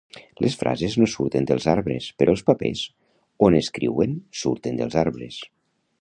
Les frases no surten dels arbres però els papers on escriuen surten dels arbres